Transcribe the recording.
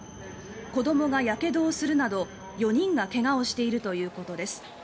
子どもが、やけどをするなど少なくとも３人が怪我をしているということです。